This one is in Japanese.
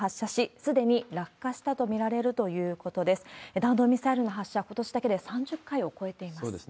弾道ミサイルの発射、ことしだけで３０回を超えています。